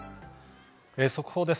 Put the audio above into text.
速報です。